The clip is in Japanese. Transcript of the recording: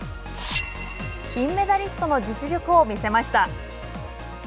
金メダリストの実力を見せました。